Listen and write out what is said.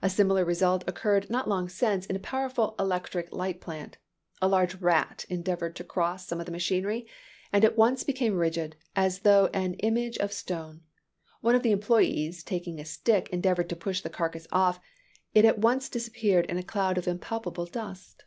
A similar result occurred not long since in a powerful electric light plant. A large rat endeavored to cross some of the machinery, and at once became rigid, as though an image of stone. One of the employes, taking a stick, endeavored to push the carcass off; it at once disappeared in a cloud of impalpable dust.